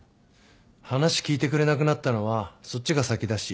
話聞いてくれなくなったのはそっちが先だし。